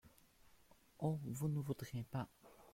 Oh ! vous ne voudriez pas !